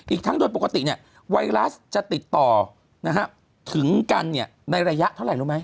อีกทั้งโดยปกติไวรัสจะติดต่อถึงกันในระยะเท่าไหร่รู้ไหม